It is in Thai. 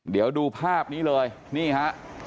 เดี๋ยวดูภาพนี้เลยนี่ฮะ